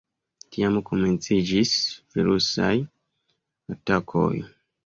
Tiam komenciĝis virusaj atakoj.